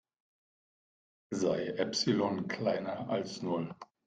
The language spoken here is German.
Sei Epsilon kleiner als Null.